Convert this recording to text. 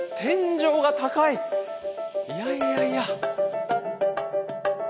いやいやいや。